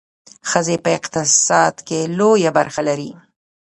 ښځې په اقتصاد کې لویه برخه لري.